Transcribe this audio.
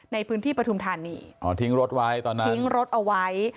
ในพื้นที่ปทุมธานีทิ้งรถเอาไว้